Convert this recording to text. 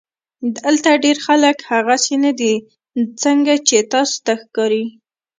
دلته ډېر خلک هغسې نۀ دي څنګه چې تاسو ته ښکاري